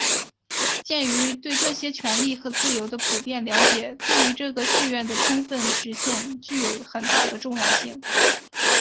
鉴于对这些权利和自由的普遍了解对于这个誓愿的充分实现具有很大的重要性